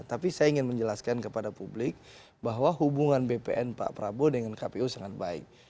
tapi saya ingin menjelaskan kepada publik bahwa hubungan bpn pak prabowo dengan kpu sangat baik